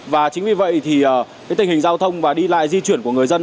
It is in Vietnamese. và chính vì vậy thì tình hình giao thông và đi lại di chuyển của người dân